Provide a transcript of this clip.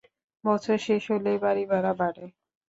বছর শেষ হলেই বাড়িভাড়া বাড়ে।